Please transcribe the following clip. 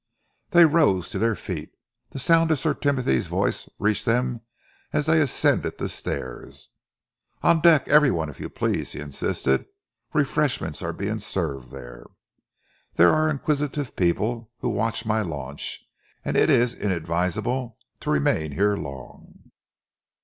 They rose to their feet. The sound of Sir Timothy's voice reached them as they ascended the stairs. "On deck, every one, if you please," he insisted. "Refreshments are being served there. There are inquisitive people who watch my launch, and it is inadvisable to remain here long."